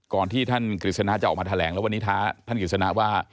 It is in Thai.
ที่ท่านกฤษณะจะออกมาแถลงแล้ววันนี้ท้าท่านกฤษณะว่า